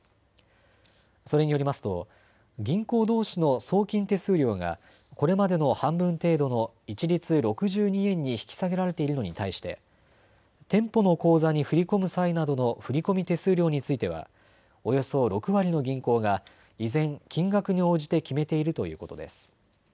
それによりますと銀行どうしの送金手数料がこれまでの半分程度の一律６２円に引き下げられているのに対して店舗の口座に振り込む際などの振込手数料についてはおよそ６割の銀行が依然、金額に応じて決めているということです。